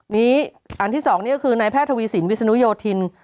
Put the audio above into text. นี้อันที่สองนี้ก็คือนายแพทย์ทวีสินวิษณุโยธิน